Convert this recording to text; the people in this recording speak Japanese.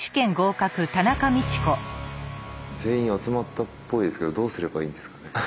全員集まったっぽいですけどどうすればいいんですかね？